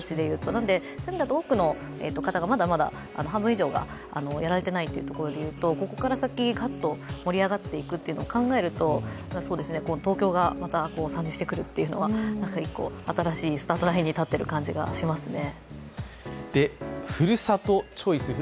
なので、多くの方が半分以上の方がやられてないということでいうとここから先、盛り上がっていくことを考えると東京がまた参入してくるというのは、新しいスタートラインに立っている感じがしますね。